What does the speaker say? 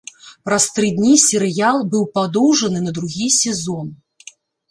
Праз тры дні серыял быў падоўжаны на другі сезон.